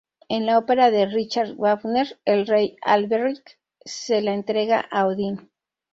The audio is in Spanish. En la ópera de Richard Wagner, el rey Alberich se la entrega a Odín.